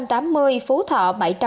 hà nội chín trăm tám mươi ca phú thọ